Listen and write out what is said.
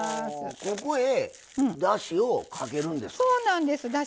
ここへだしをかけるんですか？